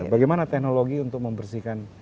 bagaimana teknologi untuk membersihkan